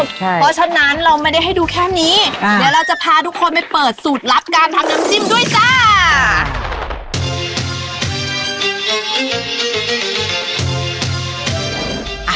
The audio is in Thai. เพราะฉะนั้นเราไม่ได้ให้ดูแค่นี้เดี๋ยวเราจะพาทุกคนไปเปิดสูตรลับการทำน้ำจิ้มด้วยจ้า